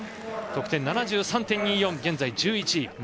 得点は７３．２４で現在１１位。